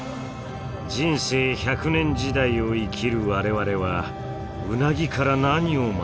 人生１００年時代を生きる我々はウナギから何を学べるのか？